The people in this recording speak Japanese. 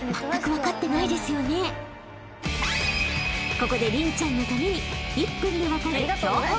［ここで麟ちゃんのために］